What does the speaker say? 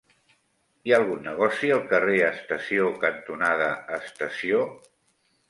Hi ha algun negoci al carrer Estació cantonada Estació?